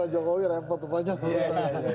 jokowi repot tuh panjang